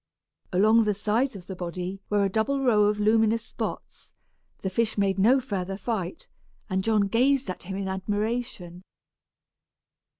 Along the sides of the body were a double row of luminous spots. The fish made no further fight, and John gazed at him in admiration.